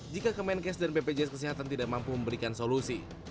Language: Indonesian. jika kemenkes dan bpjs kesehatan tidak mampu memberikan solusi